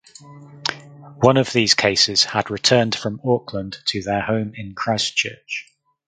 One of these cases had returned from Auckland to their home in Christchurch.